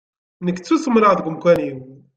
Nekk ttusemreɣ deg umkan-iw.